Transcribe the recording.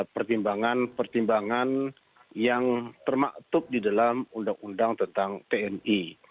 pertimbangan pertimbangan yang termaktub di dalam undang undang tentang tni